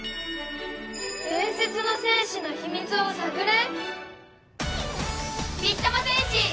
伝説の戦士のひみつを探れ？